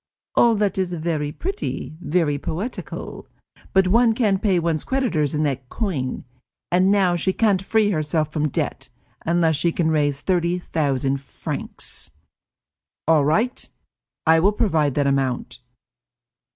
All that is very pretty, very poetical, but one can't pay one's creditors in that coin, and now she can't free herself from debt, unless she can raise thirty thousand francs." "All right, I will provide that amount."